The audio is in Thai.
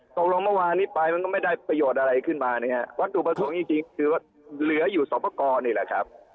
ตกลงเมื่อวานนี้ไปมันก็ไม่ได้ประโยชน์อะไรขึ้นมานะฮะวัตถุประสงค์จริงคือว่าเหลืออยู่สอบประกอบนี่แหละครับ